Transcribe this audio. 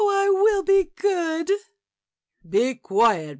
I will be good." Be quiet.